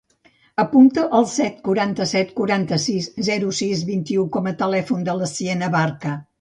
Apunta el set, quaranta-set, quaranta-sis, zero, sis, vint-i-u com a telèfon de la Siena Barca.